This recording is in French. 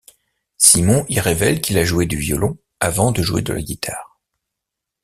Simon y révèle qu'il a joué du violon avant de jouer de la guitare.